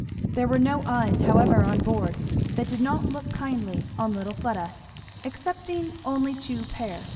There were no eyes however on board that did not look kindly on little Fleda, excepting only two pair.